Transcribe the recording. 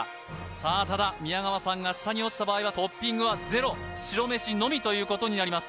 さあただ宮川さんが下に落ちた場合はトッピングはゼロ白メシのみということになります